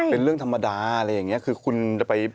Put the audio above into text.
เป็นเรื่องธรรมดาอะไรอย่างนี้คือคุณจะไป